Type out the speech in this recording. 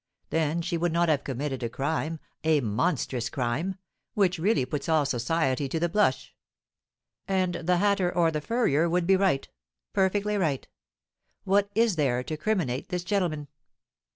Then she would not have committed a crime, a monstrous crime! which really puts all society to the blush.' And the hatter or the furrier would be right, perfectly right. What is there to criminate this gentleman?